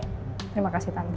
terima kasih tante